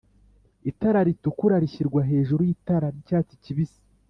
Itara ritukura rishyirwa hejuru y'itara ry'icyatsi kibisi.